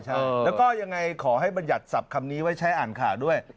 แล้วก็ยังไงขอให้บรรยัติศัพท์คำนี้ไว้ใช้อ่านข่าวด้วย